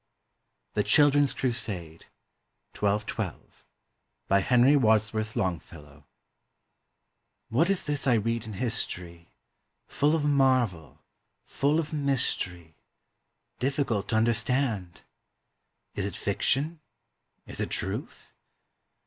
THE CHILDREN'S CRUSADE BY HENRY WADSWORTH LONGFELLOW What is this I read in history, Full of marvel, full of mystery, Difficult to understand? Is it fiction, is it truth?